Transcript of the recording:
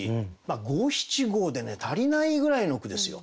五七五で足りないぐらいの句ですよ。